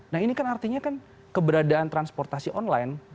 nah ini kan artinya kan keberadaan transportasi online